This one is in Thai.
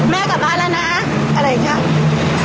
แม่กลับบ้านแล้วนะอะไรอย่างนี้